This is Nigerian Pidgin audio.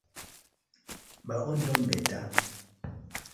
My own don better.